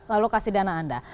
lalu kasih dana anda